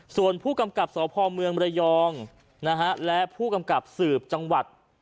ส่วนผู้กำกับสพเมืองระยองและผู้กำกับสืบจังหวัด